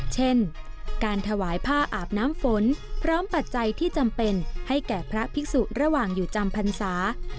เช่นการถวายผ้าอาบน้ำฝนพร้อมปัจจัยที่จำเป็นให้แก่พระภิกษุระหว่างอยู่จำพรรษา